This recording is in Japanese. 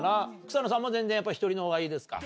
草野さんも全然１人のほうがいいですか？